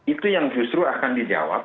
itu yang justru akan dijawab